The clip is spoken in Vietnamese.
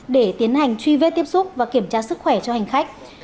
để tiến hành truy vết tiếp xúc và kiểm tra sức khỏe cho hành khách